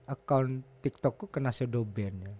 akaun tiktokku kena sedoben